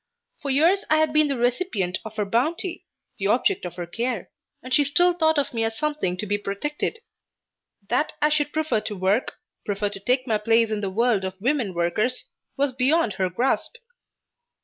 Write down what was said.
For years I had been the recipient of her bounty, the object of her care, and she still thought of me as something to be protected. That I should prefer to work, prefer to take my place in the world of women workers, was beyond her grasp.